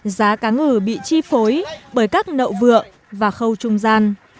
giá cá ngừ bị chi phối bởi các nậu vựa và khâu trung gian